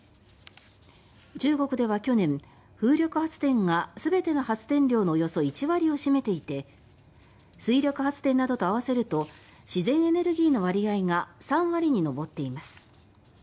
中国では去年風力発電が全ての発電量のおよそ１割を占めていて水力発電などと合わせると自然エネルギーの割合が３割に上っています。